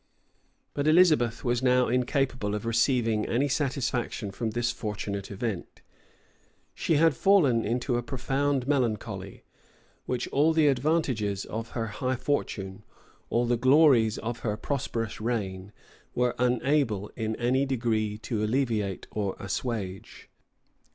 But Elizabeth was now incapable of receiving any satisfaction from this fortunate event: she had fallen into a profound melancholy; which all the advantages of her high fortune, all the glories of her prosperous reign, were unable in any degree to alleviate or assuage.